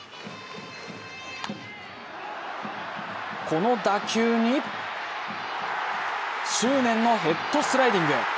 この打球に、執念のヘッドスライディング。